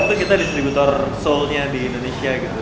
nah itu tuh kita distributor soul nya di indonesia gitu